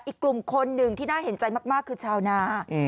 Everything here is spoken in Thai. อีกกลุ่มคนหนึ่งที่น่าเห็นใจมากคือชาวนา